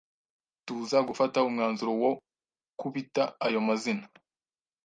tuza gufata umwanzuro wo kubita ayo mazina”.